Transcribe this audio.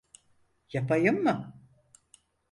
Yapayım mı?